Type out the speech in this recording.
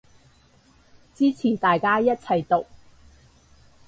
支持大家一齊毒